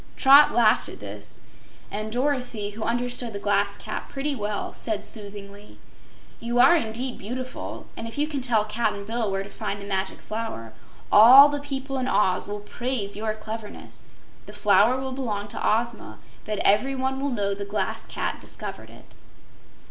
Trot laughed at this, and Dorothy, who understood the Glass Cat pretty well, said soothingly: "You are indeed beautiful, and if you can tell Cap'n Bill where to find the Magic Flower, all the people in Oz will praise your cleverness. The Flower will belong to Ozma, but everyone will know the Glass Cat discovered it."